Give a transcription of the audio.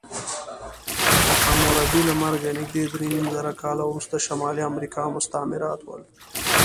د حموربي له مرګه نږدې درېنیمزره کاله وروسته شمالي امریکا مستعمرات ول.